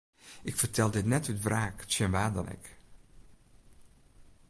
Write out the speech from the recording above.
Ik fertel dit net út wraak tsjin wa dan ek.